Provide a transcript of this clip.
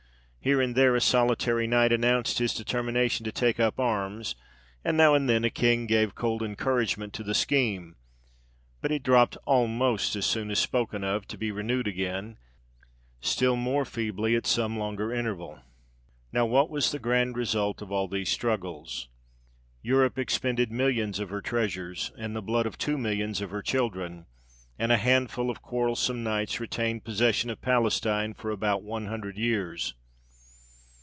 Here and there a solitary knight announced his determination to take up arms, and now and then a king gave cold encouragement to the scheme; but it dropped almost as soon as spoken of, to be renewed again, still more feebly, at some longer interval. Now what was the grand result of all these struggles? Europe expended millions of her treasures, and the blood of two millions of her children; and a handful of quarrelsome knights retained possession of Palestine for about one hundred years!